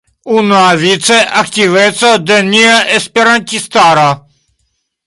Unuavice aktiveco de nia esperantistaro.